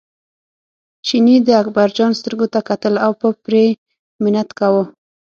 چیني د اکبرجان سترګو ته کتل او په پرې منت کاوه.